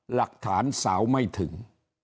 หลักฐานสาวไม่ถึง